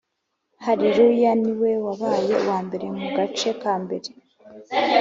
Haleluya niwe wabaye uwambere mugace kambere